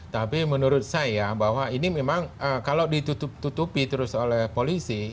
tapi menurut saya bahwa ini memang kalau ditutup tutupi terus oleh polisi